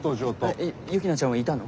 えっユキナちゃんはいたの？